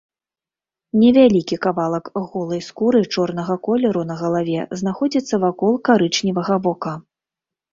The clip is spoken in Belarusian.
Невялікі кавалак голай скуры чорнага колеру на галаве знаходзіцца вакол карычневага вока.